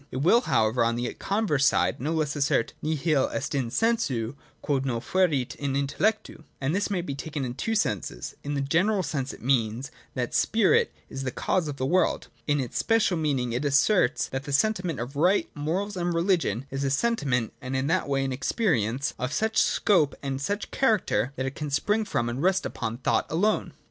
It will, however, on the converse side no less assert :' Nihil est in sensu quod non fuerit in intellectu.' And this may be taken in two senses. In the general sense it means that koOe or spirit (the more profound idea oivovs in modern thought) is the cause of the world. In its special meaning (see § 2) it asserts that the sentiment of right, morals, and religion is a sentiment (and in that way an ex perience) of such scope and such character that it can spring from and rest upon thought alone.